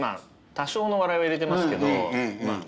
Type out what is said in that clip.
多少の笑いは入れてますけどま